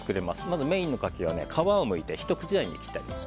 まずメインの柿は皮をむいてひと口大に切ってあります。